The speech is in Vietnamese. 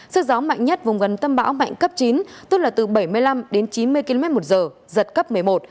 sức gió mạnh nhất vùng gần tâm bão mạnh cấp chín tức là từ bảy mươi năm đến chín mươi km một giờ giật cấp một mươi một